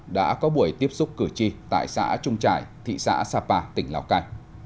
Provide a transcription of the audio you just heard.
đã có buổi tiếp xúc cử tri tại xã trung trải thị xã sapa tỉnh lào cai